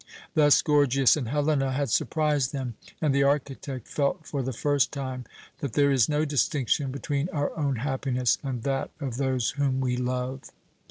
Thus Gorgias and Helena had surprised them, and the architect felt for the first time that there is no distinction between our own happiness and that of those whom we love.